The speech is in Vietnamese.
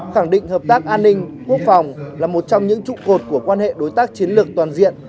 khẳng định hợp tác an ninh quốc phòng là một trong những trụ cột của quan hệ đối tác chiến lược toàn diện